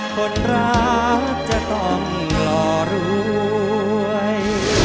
คนรักจะต้องหล่อรวย